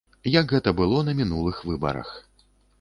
Як гэта было на мінулых выбарах.